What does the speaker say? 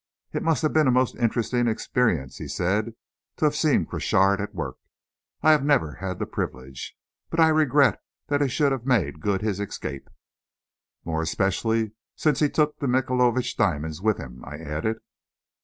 "It must have been a most interesting experience," he said, "to have seen Crochard at work. I have never had that privilege. But I regret that he should have made good his escape." "More especially since he took the Michaelovitch diamonds with him," I added.